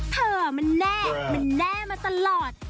เธอมันแน่มันแน่มาตลอด